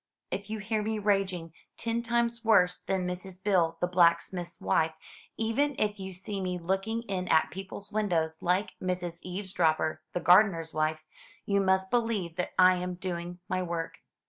If you hear me raging ten times worse than Mrs. Bill, the blacksmith's wife — even if you see me looking in at people's windows like Mrs. Eve Dropper, the gardener's wife — ^you must believe that I am doing my work.